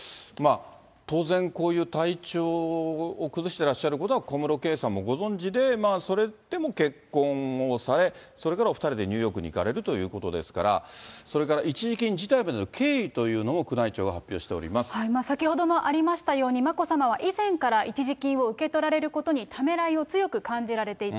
当然こういう体調を崩してらっしゃることは小室圭さんもご存じで、それでも結婚をされ、それからお２人でニューヨークに行かれるということですから、それから一時金辞退までの経緯というのも宮内庁が発表しておりま先ほどもありましたように、眞子さまは、以前から一時金を受け取られることにためらいを強く感じられていた。